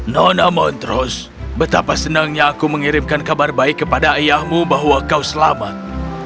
nona montrose betapa senangnya aku mengirimkan kabar baik kepada ayahmu bahwa kau selamat